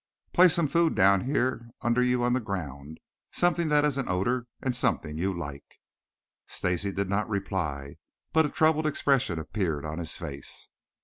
"Place some food down here under you on the ground something that has an odor and something you like." Stacy did not reply, but a troubled expression appeared on his face.